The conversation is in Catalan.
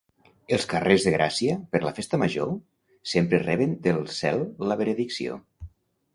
Els carrers de Gràcia, per la Festa Major, sempre reben del cel la benedicció.